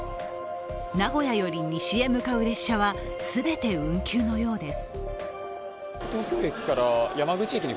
名古屋より西へ向かう列車は全て運休のようです。